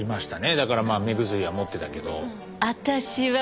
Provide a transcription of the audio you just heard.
だからまあ目薬は持ってたけど。